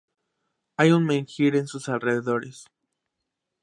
Hay un menhir en sus alrededores.